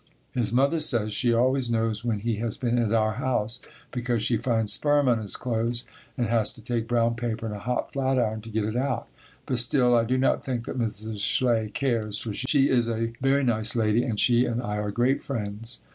His mother says she always knows when he has been at our house, because she finds sperm on his clothes and has to take brown paper and a hot flatiron to get it out, but still I do not think that Mrs. Schley cares, for she is a very nice lady and she and I are great friends.